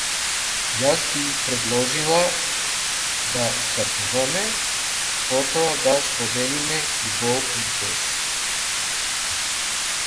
Јас би предложила да стартуваме, потоа да споделуваме и бол и бес.